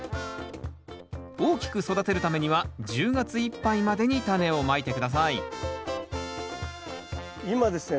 大きく育てるためには１０月いっぱいまでにタネをまいて下さい今ですね